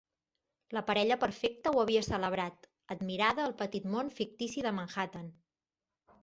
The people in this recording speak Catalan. La parella perfecta ho havia celebrat, admirada al petit món fictici de Manhattan.